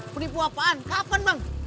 penipu apaan kapan bang